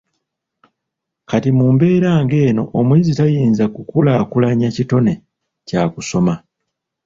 Kati mu mbeera ng'eno omuyizi tayinza kukulaakulanya kitone kya kusoma.